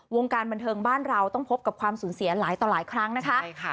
วงการบันเทิงบ้านเราต้องพบกับความสูญเสียหลายต่อหลายครั้งนะคะใช่ค่ะ